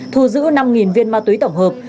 thu giữ năm viên ma túi tổng hợp